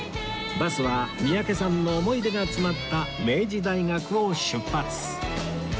バスは三宅さんの思い出が詰まった明治大学を出発